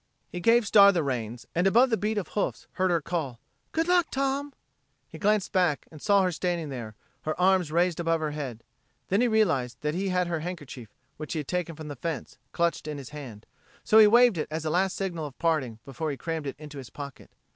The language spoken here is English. He gave Star the reins, and above the beat of hoofs heard her call: "Good luck, Tom!" He glanced back and saw her standing there, her arms raised above her head. Then he realized that he had her handkerchief, which he had taken from the fence, clutched in his hand, so he waved it as a last signal of parting before he crammed it in his pocket.